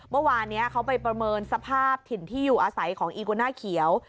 เมื่อวานนี้เขาไปประเมินสภาพถิ่นที่อยู่อาศัยของอีกวาน่าเขียว